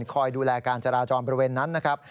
คอยดูแลการจราจรบริเวณนั้นนะครับ